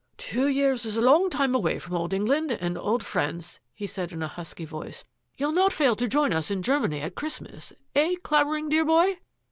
" Two years is a long time away from old Eng land and old friends," he said in a husky voice. " You'll not fail to join us in Germany at Christ mas — eh, Clavering, dear boy?"